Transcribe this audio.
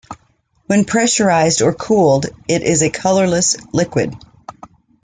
When pressurized or cooled, it is a colorless liquid.